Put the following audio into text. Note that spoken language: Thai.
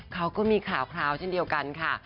เขาก็มีข่าวคราวเช่นเดียวกันค่ะ